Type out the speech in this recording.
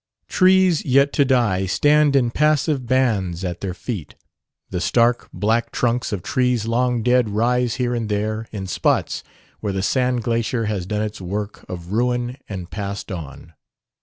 Trees yet to die stand in passive bands at their feet; the stark, black trunks of trees long dead rise here and there in spots where the sand glacier has done its work of ruin and passed on.